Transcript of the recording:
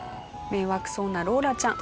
迷惑そうなローラちゃん。